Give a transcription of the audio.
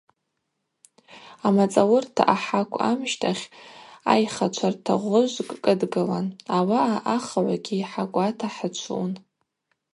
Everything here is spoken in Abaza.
Амацӏауырта ахӏакв ащтахь айхачвартагъвыжвкӏ кӏыдгылан, ауаъа ахыгӏвгьи хӏакӏвата хӏычвлун.